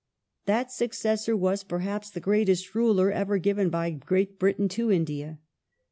That successor was, perhaps, the greatest ruler ever given by The rule Great Britain to India.